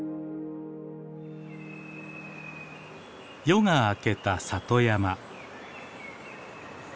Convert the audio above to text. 夜が明けた里山。